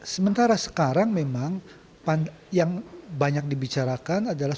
sementara sekarang memang yang banyak dibicarakan adalah